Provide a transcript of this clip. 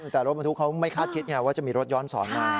แต่รถบรรทุกเขาไม่คาดคิดไงว่าจะมีรถย้อนสอนมา